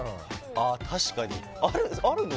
ああ確かにあるあるの？